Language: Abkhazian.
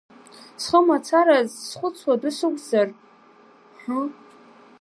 Схы мацараз схәыцуа адәы сықәзар, ҳы…